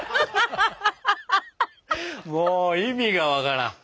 もう意味が分からん。